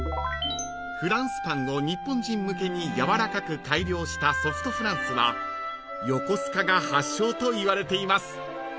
［フランスパンを日本人向けにやわらかく改良したソフトフランスは横須賀が発祥といわれています］